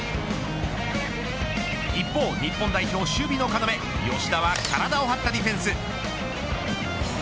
一方、日本代表守備の要吉田は体を張ったディフェンス。